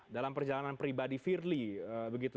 dalam perjalanan pribadi firly begitu